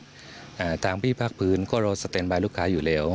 ถ้ายังคงพี่ภาคพืชก็รอสเตนบายลูกค้าอยู่แล้ว